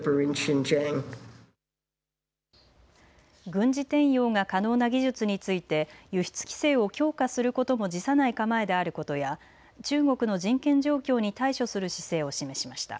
軍事転用が可能な技術について輸出規制を強化することも辞さない構えであることや中国の人権状況に対処する姿勢を示しました。